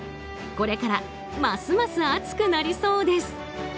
これからますます熱くなりそうです。